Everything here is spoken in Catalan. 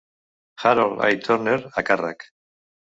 Harold A. Turner a càrrec.